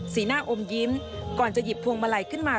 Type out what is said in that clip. หน้าอมยิ้มก่อนจะหยิบพวงมาลัยขึ้นมา